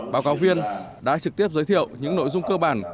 báo cáo viên đã trực tiếp giới thiệu những nội dung cơ bản